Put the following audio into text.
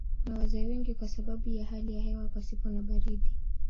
Kuna wazee wengi kwa sababu ya hali ya hewa pasipo na baridi.